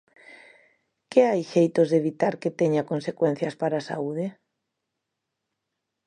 ¿Que hai xeitos de evitar que teña consecuencias para a saúde?